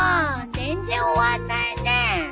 全然終わんないね。